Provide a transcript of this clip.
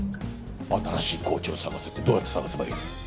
新しいコーチを探せってどうやって探せばいいのよ？